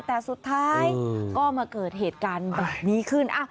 แต่สุดท้ายก็มาเกิดเหตุการณ์แบบนี้ขึ้น